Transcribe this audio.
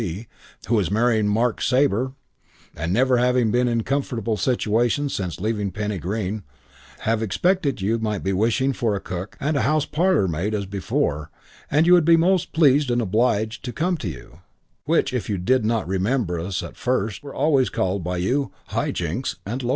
C., who is marrying Mr. Mark Sabre (inset)' and never having been in comfortable situation since leaving Penny Green, have expected you might be wishing for cook and house parlourmaid as before and would be most pleased and obliged to come to you, which if you did not remember us at first were always called by you hi! Jinks and lo!